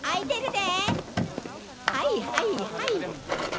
はいはいはい。